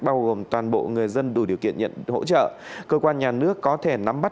bao gồm toàn bộ người dân đủ điều kiện nhận hỗ trợ cơ quan nhà nước có thể nắm bắt